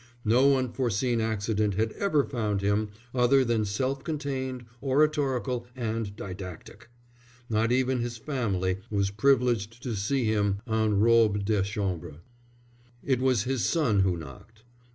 No unforeseen accident had ever found him other than self contained, oratorical, and didactic. Not even his family was privileged to see him en robe de chambre. It was his son who knocked.